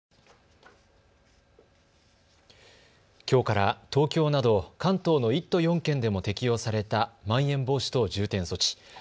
きょうから東京など関東の１都４県でも適用されたまん延防止等重点措置。